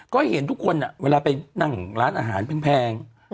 ก็เห็นทุกคนเวลาไปนั่งร้านอาหารแพง